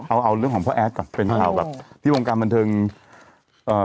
เอาเอาเรื่องของพ่อแอดก่อนเป็นข่าวแบบที่วงการบันเทิงเอ่อ